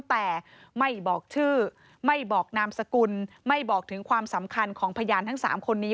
แต่ไม่บอกชื่อไม่บอกนามสกุลไม่บอกถึงความสำคัญของพยานทั้ง๓คนนี้